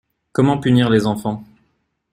Comment punir les enfants?